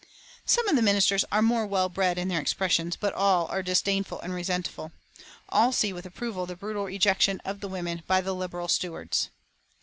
Some of the ministers are more well bred in their expressions, but all are disdainful and resentful. All see with approval the brutal ejection of the women by the Liberal stewards.